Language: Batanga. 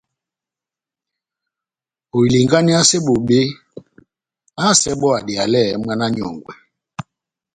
Ohilinganiyase bobé, ahásɛ bɔ́ adiyalɛ mwána nyɔ́ngwɛ.